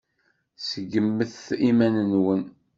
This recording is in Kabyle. Seggmet iman-nwen.